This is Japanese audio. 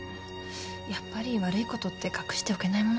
やっぱり悪いことって隠しておけないものだから。